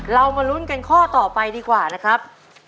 เรามาลุ้นกันข้อต่อไปดีกว่านะครับ